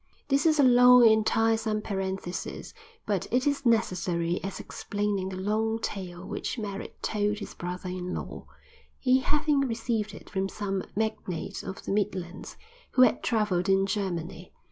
This is a long and tiresome parenthesis; but it is necessary as explaining the long tale which Merritt told his brother in law, he having received it from some magnate of the Midlands, who had traveled in Germany.